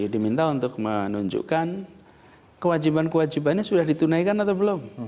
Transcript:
diminta untuk menunjukkan kewajiban kewajibannya sudah ditunaikan atau belum